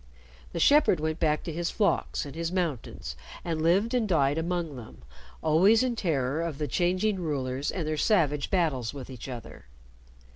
The shepherd went back to his flocks and his mountains, and lived and died among them, always in terror of the changing rulers and their savage battles with each other.